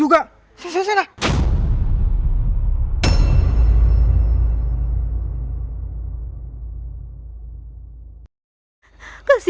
makanan sisa juga tidak apa apa